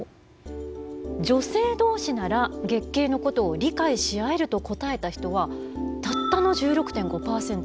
「女性どうしなら月経のことを理解しあえる」と答えた人はたったの１６．５％。